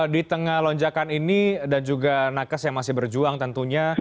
di tengah lonjakan ini dan juga nakes yang masih berjuang tentunya